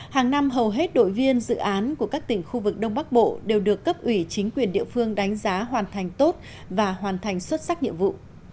hàng năm hầu hết đội viên dự án của các tỉnh khu vực đông bắc bộ đều được cấp ủy chính quyền địa phương đánh giá hoàn thành tốt và hoàn thành xuất sắc nhiệm vụ